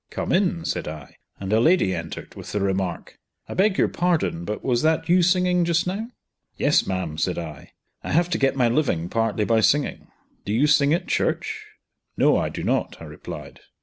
"Come in!" said I, and a lady entered, with the remark, "I beg your pardon, but was that you singing just now?" "Yes, ma'am," said I; "I have to get my living partly by singing." "Do you sing at church?" "No, I do not," I replied.